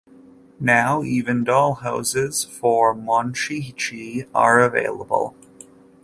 Now even dollhouses for Monchhichi are available.